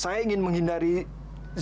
saya ingin menghindari saya ingin menghindari